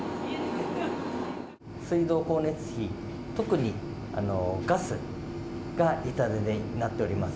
水道、光熱費、特にガスが痛手になっております。